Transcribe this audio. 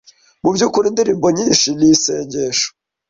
Mu by’ukuri, indirimbo nyinshi ni isengesho